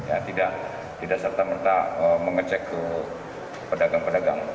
ya tidak serta merta mengecek ke pedagang pedagang